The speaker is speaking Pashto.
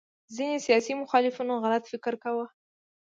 ځینې سیاسي مخالفینو غلط فکر کاوه